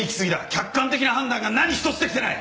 客観的な判断が何一つできてない！